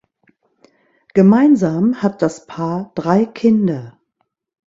Gemeinsam hat das Paar drei Kinder.